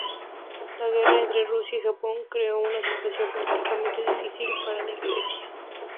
La guerra entre Rusia y Japón creó una situación políticamente difícil para la iglesia.